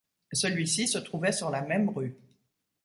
Celui-ci se trouvait sur la même rue.